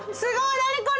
何これ。